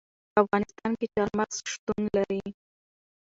په افغانستان کې چار مغز شتون لري.